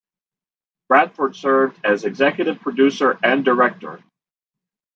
Bradford served as executive producer and director.